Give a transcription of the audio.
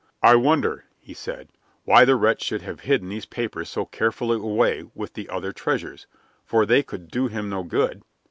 "I wonder," he said, "why the wretch should have hidden these papers so carefully away with the other treasures, for they could do him no good?"